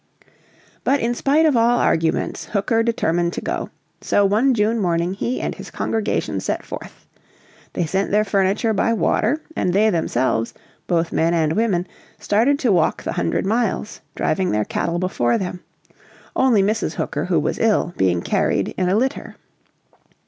But in spite of all arguments Hooker determined to go. So one June morning he and his congregation set forth. They sent their furniture by water and they themselves, both men and women, started to walk the hundred miles, driving their cattle before them; only Mrs. Hooker, who was ill, being carried in a litter.